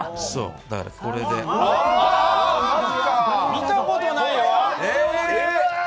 見たことないよ！